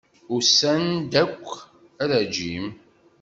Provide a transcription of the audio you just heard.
Usan-d akk, ala Jim.